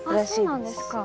そうなんですか。